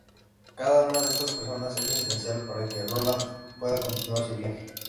Cada una de estas personas es esencial para que Roland pueda continuar su viaje.